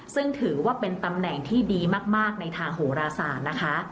ซึ่งถือว่าเป็นตำแหน่งที่ดีมากในทางโหรศาสตร์นะคะ